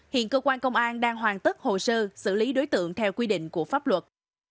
hiện cơ quan công an đang hoàn tất hồ sơ xử lý đối tượng theo quy định của pháp luật